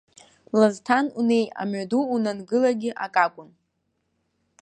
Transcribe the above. Лазҭан унеи, амҩаду унангылагьы акакәын.